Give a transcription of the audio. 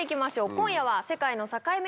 今夜は世界の境目